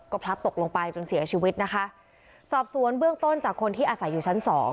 พลัดตกลงไปจนเสียชีวิตนะคะสอบสวนเบื้องต้นจากคนที่อาศัยอยู่ชั้นสอง